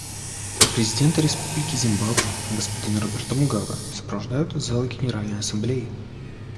Президента Республики Зимбабве господина Роберта Мугабе сопровождают из зала Генеральной Ассамблеи.